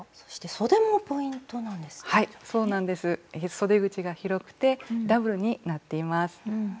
そで口が広くてダブルになっています。